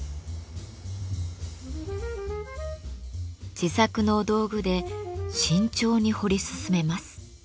自作の道具で慎重に彫り進めます。